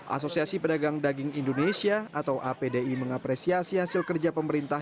asosiasi pedagang daging indonesia atau apdi mengapresiasi hasil kerja pemerintah